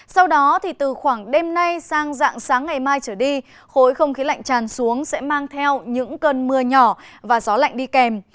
sau đó thì từ khoảng đêm nay sang dạng sáng ngày mai trở đi khối không khí lạnh tràn xuống sẽ mang theo những cơn mưa nhỏ và gió lạnh đi kèm